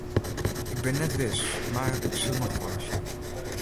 Ik bin net wis mar ik sil noch wolris sjen.